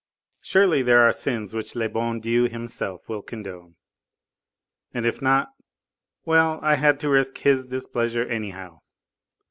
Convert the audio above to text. Surely there are sins which le bon Dieu Himself will condone. And if not well, I had to risk His displeasure anyhow.